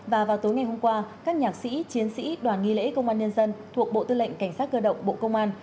và vào tối ngày hôm qua các nhạc sĩ chiến sĩ đoàn nghi lễ công an nhân dân thuộc bộ tư lệnh cảnh sát cơ động bộ công an